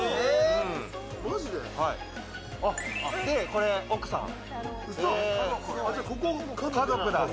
これ奥さん。